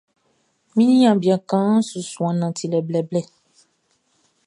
Mi niaan bian kaanʼn su suan nantilɛ blɛblɛblɛ.